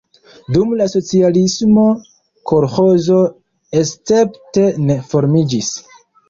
Dum la socialismo kolĥozo escepte ne formiĝis.